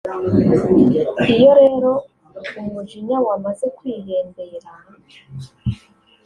Iyo rero umujinya wamaze kwihembera